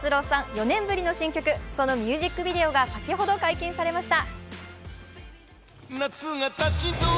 ４年ぶりの新曲、そのミュージックビデオが先ほど解禁されました。